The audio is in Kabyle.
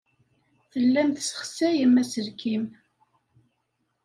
Tellam tessexsayem aselkim.